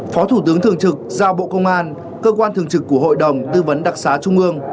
phó thủ tướng thường trực giao bộ công an cơ quan thường trực của hội đồng tư vấn đặc xá trung ương